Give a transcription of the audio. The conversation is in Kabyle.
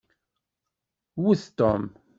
Wwet Tom.